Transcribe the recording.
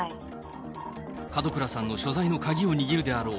門倉さんの所在の鍵を握るであろう。